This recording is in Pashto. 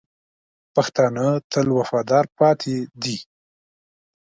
پښتانه تل وفادار پاتې دي.